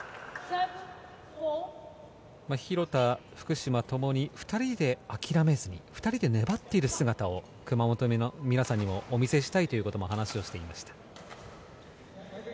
廣田、福島共に２人で諦めずに２人で粘っている姿を熊本の皆さんにもお見せしたいという話もしていました。